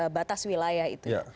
batas wilayah itu